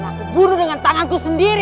aku buru dengan tanganku sendiri